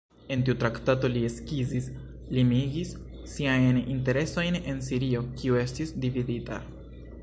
En tiu traktato, li skizis, limigis siajn interesojn en Sirio, kiu estis dividita.